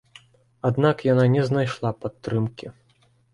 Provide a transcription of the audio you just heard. Аднак яна не знайшла падтрымкі.